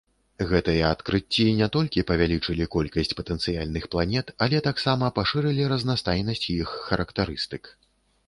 Гэтыя адкрыцці не толькі павялічылі колькасць патэнцыяльных планет, але таксама пашырылі разнастайнасць іх характарыстык.